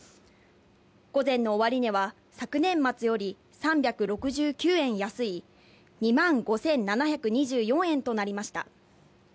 午前の終値は昨年末より３６９円安い、２万５７２４円となりました。